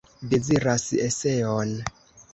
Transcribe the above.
Deziras eseon.